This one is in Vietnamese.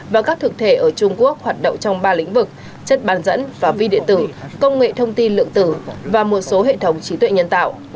và các thực thể ở trung quốc hoạt động trong ba lĩnh vực chất bàn dẫn và vi địa tử công nghệ thông tin lượng tử và một số hệ thống trí tuệ nhân tạo